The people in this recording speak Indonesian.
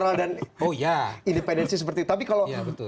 kualitas moral dan independensi seperti itu